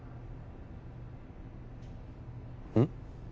うん？